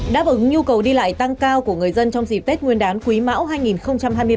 đáp ứng nhu cầu đi lại tăng cao của người dân trong dịp tết nguyên đán quý mão hai nghìn hai mươi ba